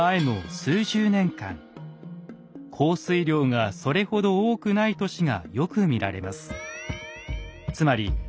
降水量がそれほど多くない年がよく見られます。